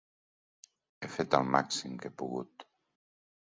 He fet el màxim que he pogut.